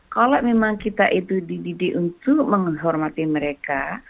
kalau memang kita itu dididik untuk menghormati mereka